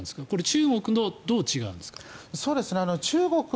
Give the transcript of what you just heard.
中国とどう違うんですか？